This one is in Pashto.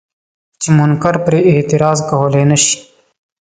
چې منکر پرې اعتراض کولی نه شي.